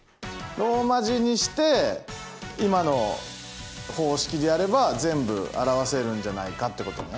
ローマ字にして今の方式でやれば全部表せるんじゃないかってことね。